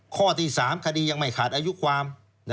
ข้อที่๓คดียังไม่ขาดอายุความ